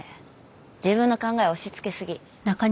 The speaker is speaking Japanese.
自分の考えを押しつけすぎ。